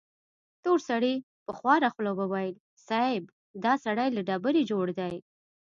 تور سړي په خواره خوله وويل: صيب! دا سړی له ډبرې جوړ دی.